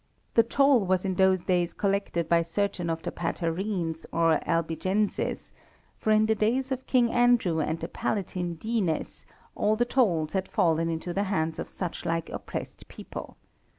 The toll was in those days collected by certain of the Patarenes or Albigenses, for in the days of King Andrew and the Palatine Dienes, all the tolls had fallen into the hands of such like oppressed people.